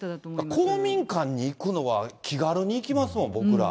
公民館に行くのは、気軽に行きますもん、僕ら。